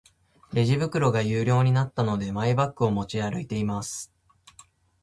レジ袋が有料になったので、マイバッグを持ち歩いています。